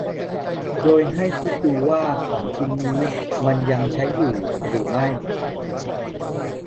โดยให้คิดดูว่าของชิ้นนี้มันยังใช้อยู่หรือไม่